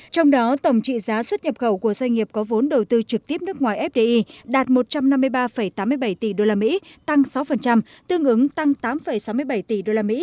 trong đó tổng trị giá xuất nhập khẩu của doanh nghiệp có vốn đầu tư trực tiếp nước ngoài fdi đạt một trăm năm mươi ba tám mươi bảy tỷ usd tăng sáu tương ứng tăng tám sáu mươi bảy tỷ usd